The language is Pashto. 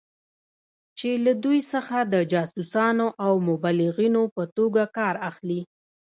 چې له دوی څخه د جاسوسانو او مبلغینو په توګه کار اخلي.